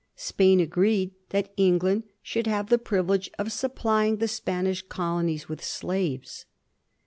Spain agreed that England should have the privilege of supplying the Spanish colonies with slaves.